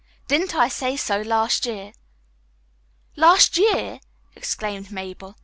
"Didn't I say so last year?" "Last year!" exclaimed Mabel.